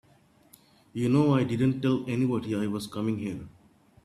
You know I didn't tell anybody I was coming here.